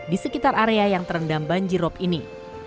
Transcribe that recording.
di sekitar area yang terendam banjirop ini